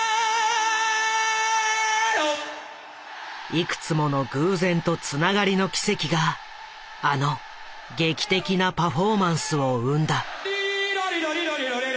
いくつもの偶然とつながりの奇跡があの劇的なパフォーマンスを生んだ。